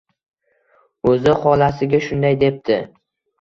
O`zi xolasiga shunday debdi